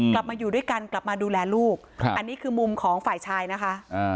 กลับมาอยู่ด้วยกันกลับมาดูแลลูกอันนี้คือมุมของฝ่ายชายนะคะ